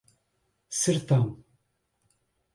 Sertão